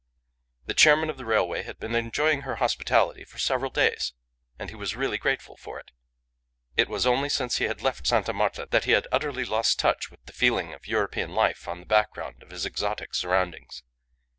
The chairman of the railway had been enjoying her hospitality for several days, and he was really grateful for it. It was only since he had left Sta. Marta that he had utterly lost touch with the feeling of European life on the background of his exotic surroundings.